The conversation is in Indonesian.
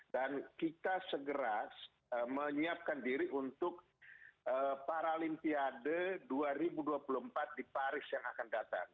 dan kita segera menyiapkan diri untuk paralimpiade dua ribu dua puluh empat di paris yang akan datang